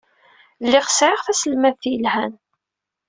Lliɣ sɛiɣ taselmadt yelhan.